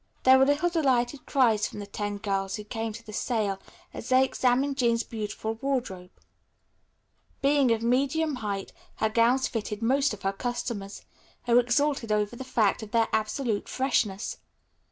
There were little delighted cries from the ten girls who came to the sale as they examined Jean's beautiful wardrobe. Being of medium height, her gowns fitted most of her customers, who exulted over the fact of their absolute freshness.